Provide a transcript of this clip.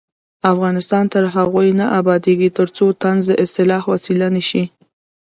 افغانستان تر هغو نه ابادیږي، ترڅو طنز د اصلاح وسیله نشي.